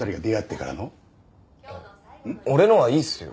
いや俺のはいいっすよ。